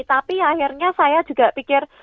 tapi akhirnya saya juga pikir